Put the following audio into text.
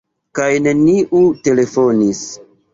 Kaj neniu telefonis.